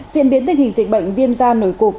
diễn biến tình hình dịch bệnh viêm da nổi cục